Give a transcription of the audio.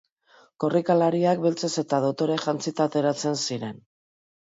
Korrikalariak beltzez eta dotore jantzita ateratzen ziren.